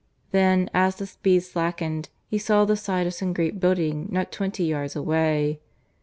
Then as the speed slackened he saw the side of some great building not twenty yards away.